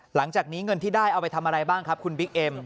หลังจากนี้เงินที่ได้เอาไปทำอะไรบ้างครับคุณบิ๊กเอ็ม